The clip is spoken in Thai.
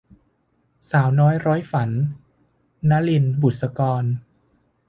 สาวน้อยร้อยฝัน - นลิน บุษกร